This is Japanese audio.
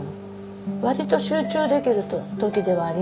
割と集中できる時ではありました。